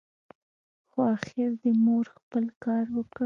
خو اخر دي مور خپل کار وکړ !